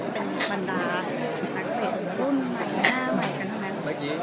เป็นบรรดานักเตะรุ่นใหม่หน้าใหม่กันทั้งนั้น